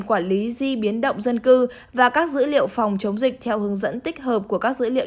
quản lý di biến động dân cư và các dữ liệu phòng chống dịch theo hướng dẫn tích hợp của các dữ liệu